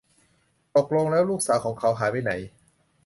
ตกลงแล้วลูกสาวของเขาหายไปไหน